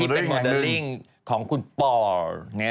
เป็นโมเดลลิ่งของคุณปอ